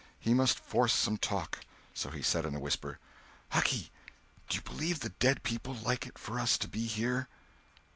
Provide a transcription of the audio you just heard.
He must force some talk. So he said in a whisper: "Hucky, do you believe the dead people like it for us to be here?"